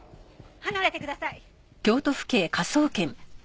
離れてください。